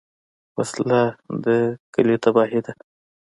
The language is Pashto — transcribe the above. وسله د کلي تباهي ده